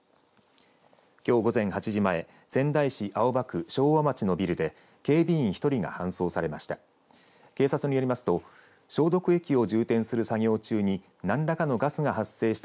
きょう午前８時前仙台市青葉区昭和町のビルで警備員１人が搬送されました。